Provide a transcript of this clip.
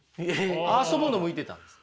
遊ぶの向いてたんです。